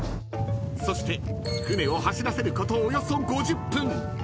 ［そして船を走らせることおよそ］